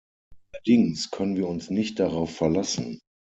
Allerdings können wir uns nicht darauf verlassen.